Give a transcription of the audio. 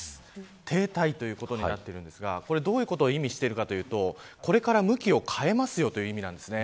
停滞ということになっているんですがどういうことを意味してるかというとこれから向きを変えるという意味です。